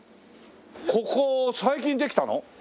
ここ最近できたの？